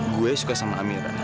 gue suka sama amira